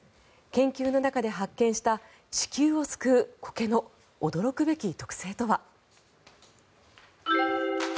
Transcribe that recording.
研究の中で発見した、地球を救うコケの驚くべき特性とは。